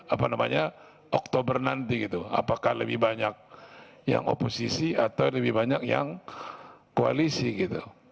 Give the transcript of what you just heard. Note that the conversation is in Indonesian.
apa namanya oktober nanti gitu apakah lebih banyak yang oposisi atau lebih banyak yang koalisi gitu